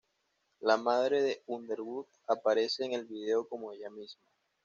La madre de Underwood aparece en el video como ella misma.